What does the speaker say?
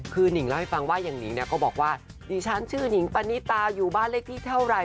คือนิงเล่าให้ฟังว่าอย่างนิงเนี่ยก็บอกว่าดิฉันชื่อนิงปณิตาอยู่บ้านเลขที่เท่าไหร่